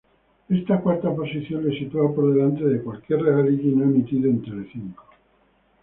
Esta cuarta posición le sitúa por delante de cualquier reality no emitido en Telecinco.